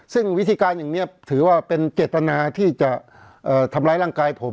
ซึ่งวิธีการอย่างนี้ถือว่าเป็นเจตนาที่จะทำร้ายร่างกายผม